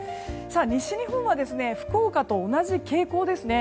西日本は福岡と同じ傾向ですね。